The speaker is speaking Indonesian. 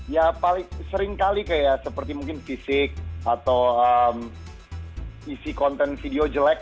ya paling sering kali kayak seperti mungkin fisik atau isi konten video jelek